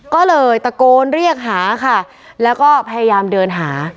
ก็เลยตะโกนเรียกหาค่ะแล้วก็พยายามเดินหา